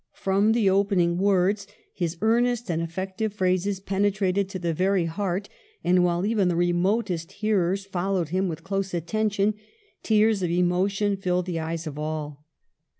From the opening words his earnest and effec tive phrases penetrated to the very heart, and, while even the remotest hearers followed him with close attention, tears of emotion filled the eyes of all.